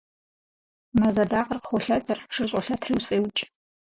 Мэз адакъэр къыхолъэтыр, шыр щӏолъэтри усфӏеукӏ.